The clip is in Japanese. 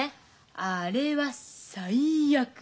あれは最悪。